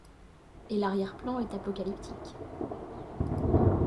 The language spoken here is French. Et l’arrière-plan est apocalyptique.